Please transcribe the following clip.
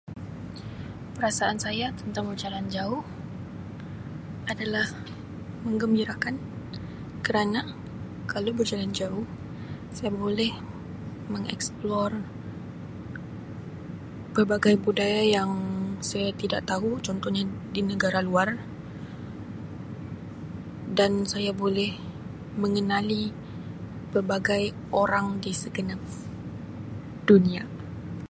Perasaan saya tentang berjalan jauh adalah menggembirakan kerana kalau berjalan jauh saya boleh meng'explore' pelbagai budaya yang saya tidak tahu contohnya di negara luar dan saya boleh mengenali pelbagai orang di segenap dunia.